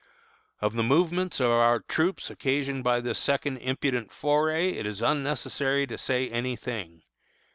"Of the movements of our troops occasioned by this second impudent foray it is unnecessary to say any thing.